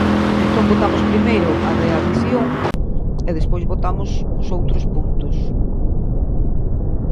Entón votamos primeiro a de adición e despois votamos os outros puntos.